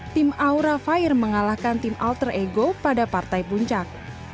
tim aura fire mengalahkan tim alter ego pada partai puncak